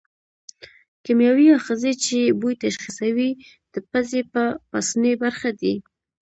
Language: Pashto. کیمیاوي آخذې چې بوی تشخیصوي د پزې په پاسنۍ برخه کې دي.